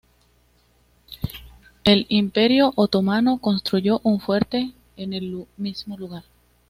El Imperio Otomano construyó un fuerte en el mismo lugar.